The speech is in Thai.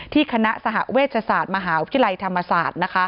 คณะสหเวชศาสตร์มหาวิทยาลัยธรรมศาสตร์